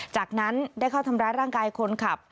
จากนั้นได้เข้าทำร้ายร่างกายคนขับ